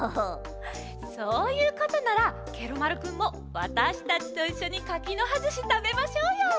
そういうことならケロ丸くんもわたしたちといっしょに柿の葉ずしたべましょうよ。